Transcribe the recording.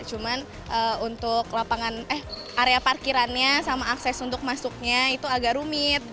cuman untuk lapangan eh area parkirannya sama akses untuk masuknya itu agak rumit